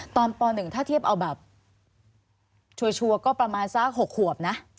ป๑ถ้าเทียบเอาแบบชัวร์ก็ประมาณสัก๖ขวบนะ